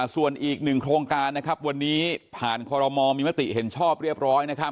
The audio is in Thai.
ส่วนอีก๑โครงการวันนี้ผ่านคอรมอมมิมติและเห็นชอบเรียบร้อย